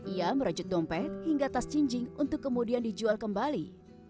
ia merajut dompet hingga tas cincin untuk kemudian dijual kembali